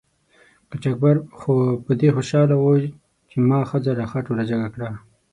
قاچاقبر خو په دې خوشحاله و چې ما ښځه له خټو را جګه کړه.